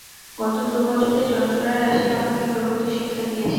গত দু-বছরের যন্ত্রণারাশি আমাকে প্রভূত শিক্ষা দিয়েছে।